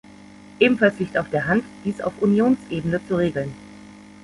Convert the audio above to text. Ebenfalls liegt auf der Hand, dies auf Unionsebene zu regeln.